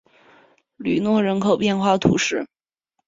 吕诺人口变化图示